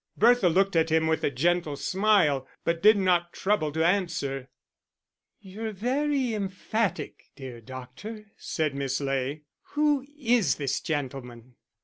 Bertha looked at him with a gentle smile, but did not trouble to answer. "You're very emphatic, dear doctor," said Miss Ley. "Who is this gentleman?"